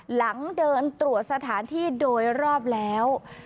หลังเดินตรวจสถานที่โดยรอบแล้ว